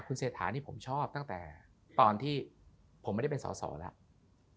คุณเศรษฐานี่ผมชอบตั้งแต่ตอนที่ผมไม่ได้เป็นสอสอแล้ว